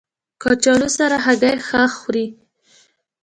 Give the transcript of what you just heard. کچالو سره هګۍ ښه خوري